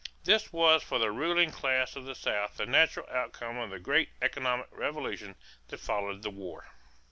This was for the ruling class of the South the natural outcome of the great economic revolution that followed the war."